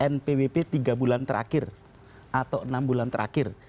npwp tiga bulan terakhir atau enam bulan terakhir